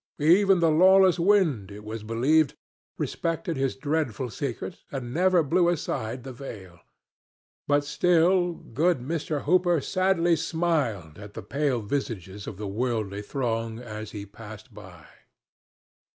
Even the lawless wind, it was believed, respected his dreadful secret and never blew aside the veil. But still good Mr. Hooper sadly smiled at the pale visages of the worldly throng as he passed by.